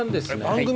番組？